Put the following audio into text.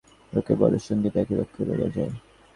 লোকে বলে, সঙ্গীত একই লক্ষ্যে লইয়া যায়।